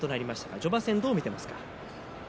序盤戦、どう見ていますか？